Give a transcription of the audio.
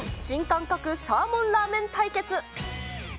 新感覚サーモンラーメン対決。